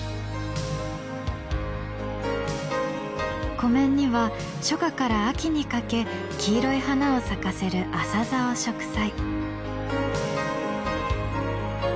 湖面には初夏から秋にかけ黄色い花を咲かせるアサザを植栽。